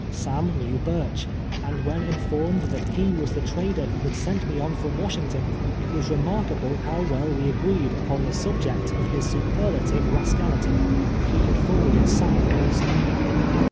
Sam knew Burch, and when informed that he was the trader who had sent me on from "Washington, it was remarkable how well we agreed upon the subject of his superlative rascality. He had forwarded Sam, also.